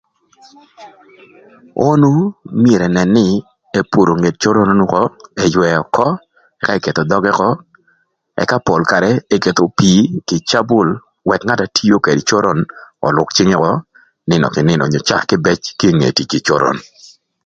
Onu myero ënën nï epuro nget coron ökö, ëtwëö ökö, ëka eketho dhögë ökö ëka pol karë eketho pii kï cabun ëk ngat na tiö kede coron ölwök cïngë ökö nïnö kï nïnö onyo caa kïbëc kinge tic kï coron.